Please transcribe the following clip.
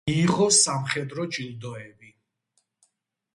მიიღო სამხედრო ჯილდოები.